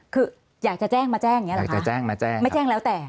คืออยากจะแจ้งมาแจ้งอยากจะแจ้งมาแจ้งไม่แจ้งแล้วแต่